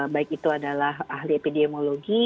baik itu adalah ahli epidemiologi